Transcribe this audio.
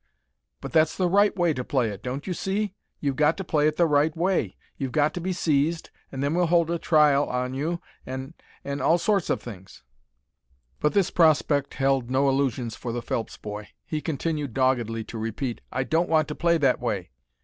"But that's the right way to play it. Don't you see? You've got to play it the right way. You've got to be seized, an' then we'll hold a trial on you, an' an' all sorts of things." But this prospect held no illusions for the Phelps boy. He continued doggedly to repeat, "I don't want to play that way!"